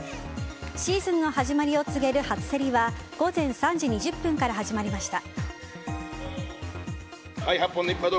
シーズンの始まりを告げる初競りは午前３時２０分から始まりました。